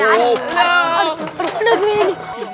aduh aduh aduh